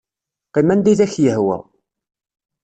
Qqim anda i d ak-yehwa!